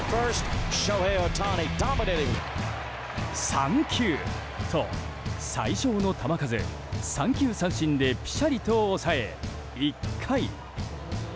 ３球と最少の球数三球三振でぴしゃりと抑え１回。